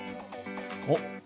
おっ。